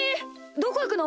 どこいくの？